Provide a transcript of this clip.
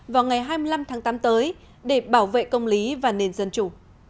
vào ngày hai mươi năm tháng tám tới để bảo vệ công lý và nền dân chủ